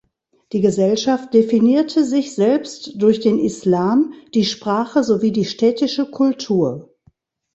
Die Gesellschaft definierte sich selbst durch den Islam, die Sprache sowie die städtische Kultur.